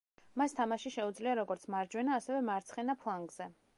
მას თამაში შეუძლია როგორც მარჯვენა, ასევე მარცხენა ფლანგზე.